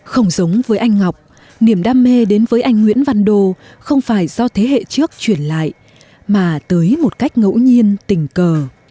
không giống với anh ngọc niềm đam mê đến với anh nguyễn văn đô không phải do thế hệ trước truyền lại mà tới một cách ngẫu nhiên tình cờ